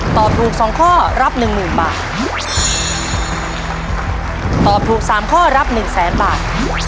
ตอบถูกสองข้อรับหนึ่งหมื่นบาทตอบถูกสามข้อรับหนึ่งแสนบาท